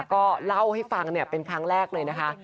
ก็เล่าให้ฟังเป็นครั้งแรกเลยนะคะ